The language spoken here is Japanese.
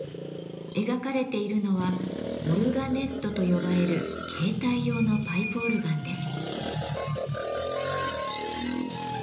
描かれているのは「オルガネット」と呼ばれる携帯用のパイプオルガンです。